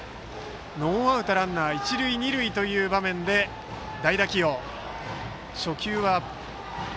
ノーアウトランナー、一塁二塁の場面で代打起用。